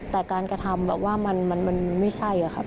แต่การกระทำแบบว่ามันไม่ใช่อะครับ